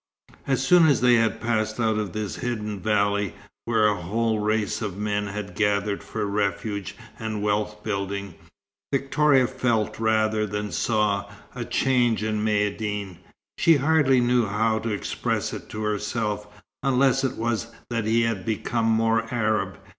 As soon as they had passed out of this hidden valley, where a whole race of men had gathered for refuge and wealth building, Victoria felt, rather than saw, a change in Maïeddine. She hardly knew how to express it to herself, unless it was that he had become more Arab.